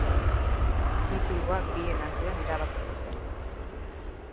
Titulua bien artean erabakiko zen.